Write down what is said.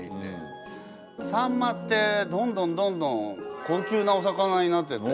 さんまってどんどんどんどん高級なお魚になってて。